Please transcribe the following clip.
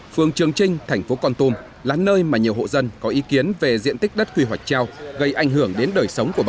phương trường trinh thành phố con tùm là nơi mà nhiều hộ dân có ý kiến về diện tích đất quy hoạch treo